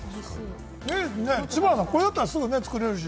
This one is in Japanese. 知花さん、これだったらすぐに作れるし。